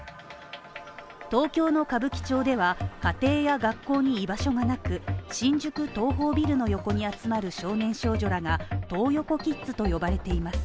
東京の歌舞伎町では、家庭や学校に居場所がなく、新宿東宝ビルの横に集まる少年少女らがトー横キッズと呼ばれています。